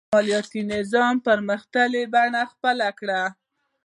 مالیاتي نظام پرمختللې بڼه خپله کړه.